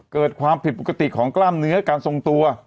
เกิดความผิดปกติของกล้ามเนื้อการทรงตัว